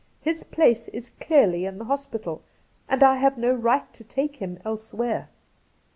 His place is clearly in the hospital, and I have no i ight to take him elsewhere.'